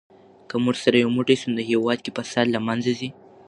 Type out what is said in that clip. که موږ سره یو موټی سو نو هېواد کې فساد له منځه ځي.